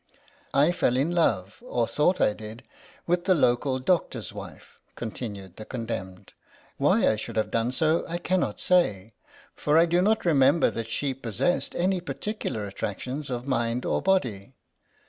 " I fell in love, or thought I did, with the local doctor's wife," continued the condemned. " Why I should have done so, I cannot say, for I do not remember that she possessed any particular attractions of mind or body.